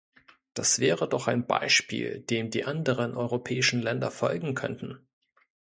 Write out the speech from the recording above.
Das wäre doch ein Beispiel, dem die anderen europäischen Länder folgen könnten!